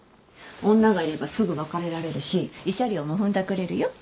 女がいればすぐ別れられるし慰謝料もふんだくれるよ。